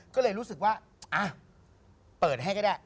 ก็เลยรู้สึกว่าเปิดให้ก็ได้